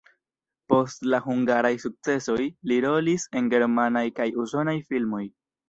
Post la hungaraj sukcesoj li rolis en germanaj kaj usonaj filmoj.